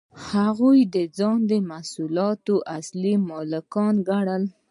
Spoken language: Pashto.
هغوی ځانونه د محصولاتو اصلي مالکان ګڼل